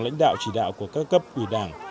lãnh đạo chỉ đạo của các cấp ủy đảng